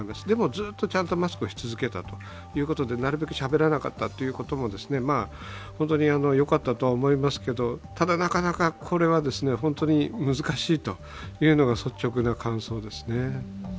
でも、ずっとちゃんとマスクをし続けたということで、なるべくしゃべらなかったこともよかったとは思いますけどなかなかこれは難しいというのが率直な感想ですね。